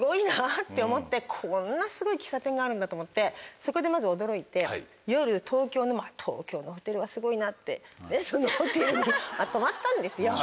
こんなすごい喫茶店があるんだと思ってそこでまず驚いて夜「東京のホテルはすごいな」ってそのホテルに泊まったんですよ。